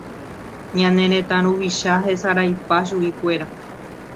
Ñane retã ruvicha hesaraipa chuguikuéra.